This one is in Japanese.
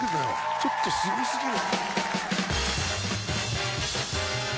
ちょっとすご過ぎる。